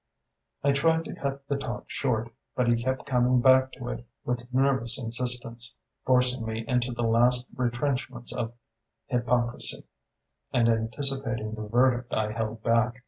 I tried to cut the talk short, but he kept coming back to it with nervous insistence, forcing me into the last retrenchments of hypocrisy, and anticipating the verdict I held back.